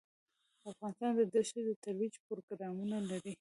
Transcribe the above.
افغانستان د دښتو د ترویج پروګرامونه لري.